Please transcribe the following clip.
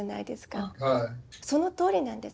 そのとおりなんです